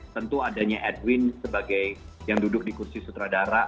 tentu adanya edwin sebagai yang duduk di kursi sutradara